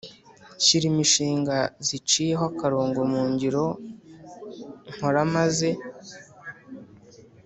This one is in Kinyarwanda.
Shyira inshinga ziciyeho akarongo mu ngiro nkora maze